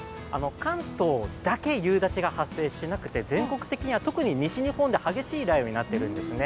関東だけ夕立が発生していなくて全国的には特に西日本で激しい雷雨になっているんですね。